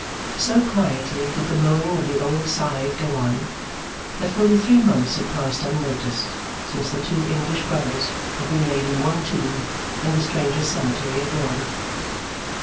So quietly did the mowing of the old scythe go on, that fully three months had passed unnoticed since the two English brothers had been laid in one tomb in the strangers' cemetery at Rome.